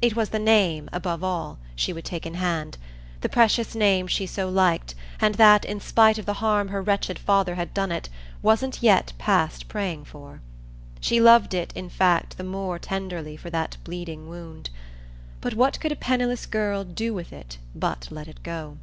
It was the name, above all, she would take in hand the precious name she so liked and that, in spite of the harm her wretched father had done it, wasn't yet past praying for. She loved it in fact the more tenderly for that bleeding wound. But what could a penniless girl do with it but let it go?